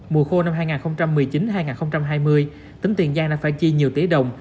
mùa khô năm hai nghìn một mươi chín hai nghìn hai mươi tỉnh tiền giang đã phải chi nhiều tỷ đồng